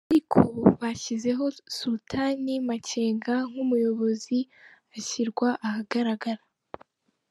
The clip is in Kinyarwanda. Ariko bashyizeho Sultani Makenga nk’umuyobozi ashyirwa ahagaragara.